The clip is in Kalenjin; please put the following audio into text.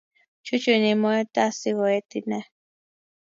Chuchuni moyta si koet inee